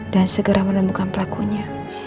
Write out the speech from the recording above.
dan segera menemukan pelakunya